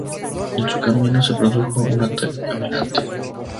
En su camino se produjo un ataque caminante.